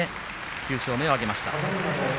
９勝目を挙げました。